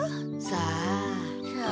さあ。